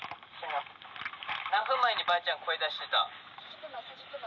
☎・何分前にばあちゃん声出してた？